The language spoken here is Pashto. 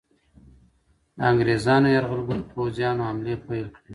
کرکټ بورډ د خپل ولس په سترګو کې شګې اچوي